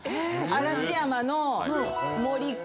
嵐山の森嘉。